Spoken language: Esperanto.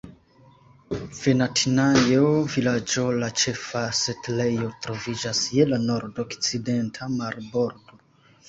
Vanatinajo-Vilaĝo, la ĉefa setlejo, troviĝas je la nordokcidenta marbordo.